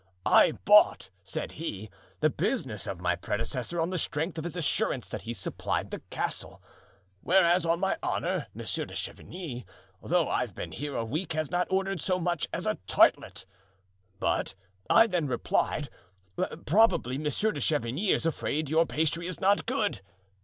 'I bought,' said he, 'the business of my predecessor on the strength of his assurance that he supplied the castle; whereas, on my honor, Monsieur de Chavigny, though I've been here a week, has not ordered so much as a tartlet.' 'But,' I then replied, 'probably Monsieur de Chavigny is afraid your pastry is not good.